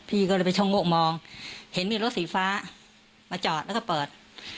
พี่ก็เลยไปช่องโงกมองเห็นมีรถสีฟ้ามาจอดแล้วก็เปิด